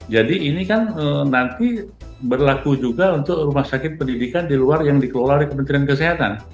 jadi ini kan nanti berlaku juga untuk rumah sakit pendidikan di luar yang dikelola oleh kementerian kesehatan